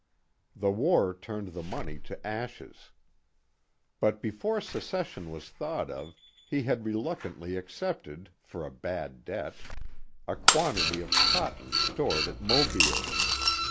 The war turned the money to ashes. But before secession MY FATHER'S EXPERIENCES 301 was thought of he had reluctantly accepted, for a bad debt, a quantity of cotton stored at Mobile.